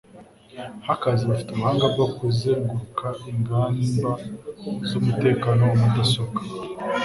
Hackers bafite ubuhanga bwo kuzenguruka ingamba z'umutekano wa mudasobwa.